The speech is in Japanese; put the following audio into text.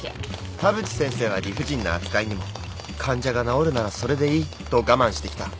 田淵先生は理不尽な扱いにも患者が治るならそれでいいと我慢してきた。